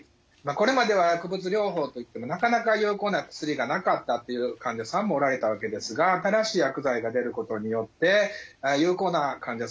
これまでは薬物療法といってもなかなか有効な薬がなかったっていう患者さんもおられたわけですが新しい薬剤が出ることによって有効な患者さんが増えてくる。